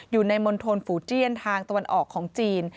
อยู่ในมณฑลฝูเจียนทางตะวันออกของจีน